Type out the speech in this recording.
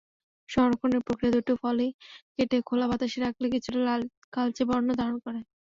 সংরক্ষণের প্রক্রিয়াদুটি ফলই কেটে খোলা বাতাসে রাখলে কিছুটা কালচে বর্ণ ধারণ করে।